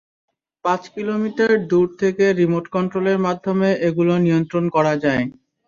পাঁচ কিলোমিটার দূর থেকে রিমোট কন্ট্রোলের মাধ্যমে এগুলো নিয়ন্ত্রণ করা যায়।